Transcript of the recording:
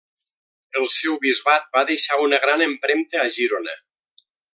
El seu bisbat va deixar una gran empremta a Girona.